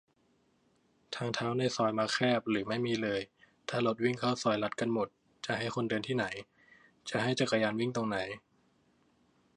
ทางเท้าในซอยมักแคบ หรือไม่มีเลย ถ้ารถวิ่งเข้าซอยลัดกันหมด จะให้คนเดินที่ไหน ? จะให้จักรยานวิ่งตรงไหน ?